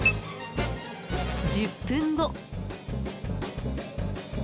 １０分後。